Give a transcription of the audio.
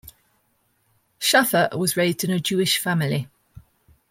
Shaffer was raised in a Jewish family.